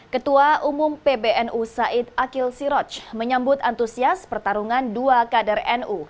ketua umum pbnu said akil siroj menyambut antusias pertarungan dua kader nu